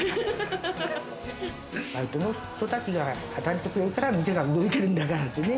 バイトの子たちが働いてくれるから、店が動いてるんだからね。